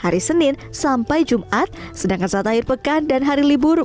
hari senin sampai jumat sedangkan saat akhir pekan dan hari libur